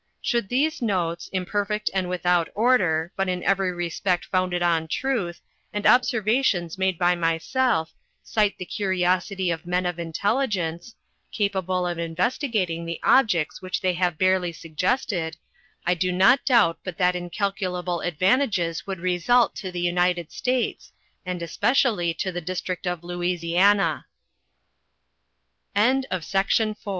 Should these xotes, imperfect and without order, but in every respect founded on truth, and observations made by myself, cite the curiosity of men of intelligence, capable of investigating the objects which they have barely suggested, I do not doubt but that incalculable advantages would result , to the United States, and especially to the district of Lou 24 JOURNAL OF CHAPTER